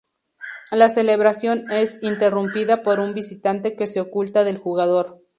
La celebración es interrumpida por un visitante que se oculta del jugador.